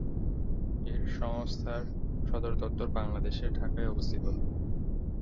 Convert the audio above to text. এর সংস্থার সদরদপ্তর বাংলাদেশের ঢাকায় অবস্থিত।